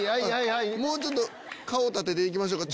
もうちょっと顔立てていきましょうか。